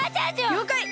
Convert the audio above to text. りょうかい！